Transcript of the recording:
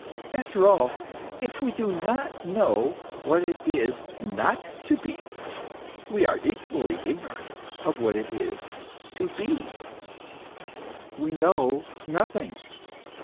After all, if we do not know what it is not to be, we are equally ignorant what it is to be. We know nothing.